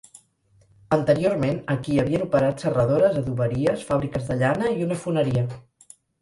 Anteriorment, aquí havien operat serradores, adoberies, fàbriques de llana i una foneria.